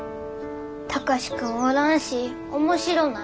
貴司君おらんし面白ない。